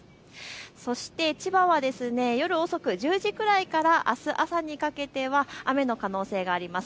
そして千葉は夜遅く１０時ぐらいから、あす朝にかけては雨の可能性があります。